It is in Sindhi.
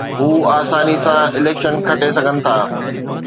هو آساني سان اليڪشن کٽي سگهن ٿا